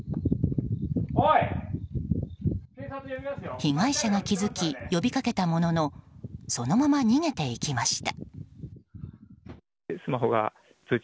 被害者が気付き呼びかけたもののそのまま逃げていきました。